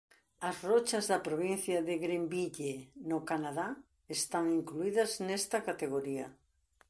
As rochas da Provincia de Grenville no Canadá están incluídas nesta categoría.